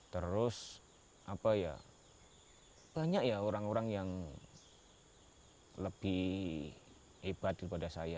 terus banyak ya orang orang yang lebih hebat daripada saya